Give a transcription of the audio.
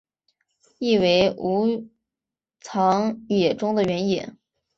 意为武藏野中的原野。